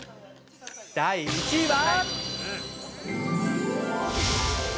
◆第１位は！